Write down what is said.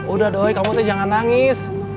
udah doy kamu tuh jangan nangis